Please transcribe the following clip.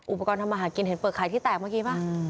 อุปกรณ์ทำมาหากินเห็นเปลือกไข่ที่แตกเมื่อกี้ป่ะ